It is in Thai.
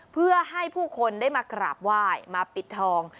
เพื่อให้ผู้คนได้มากราบไหว้มาปิดทอง